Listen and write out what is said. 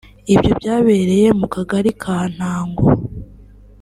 Ibyo byabereye mu kagali ka Ntango